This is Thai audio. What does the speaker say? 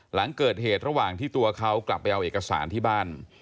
หลังเกิดเหตุระหว่างที่ตัวเขากลับไปเอาเอกสารที่บ้าน